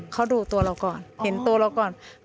เขาดูตัวเราก่อนเห็นตัวเราก่อน